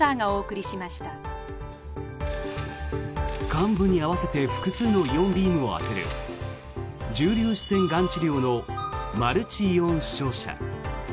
患部に合わせて複数のイオンビームを当てる重粒子線がん治療のマルチイオン照射。